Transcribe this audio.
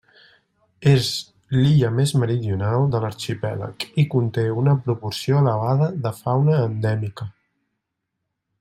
És l'illa més meridional de l'arxipèlag i conté una proporció elevada de fauna endèmica.